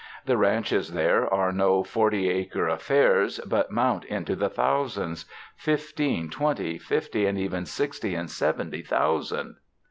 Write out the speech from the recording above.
The ranches there are no forty acre af fairs, but mount into the thousands — fifteen, twenty, fifty and even sixty and seventy thousand.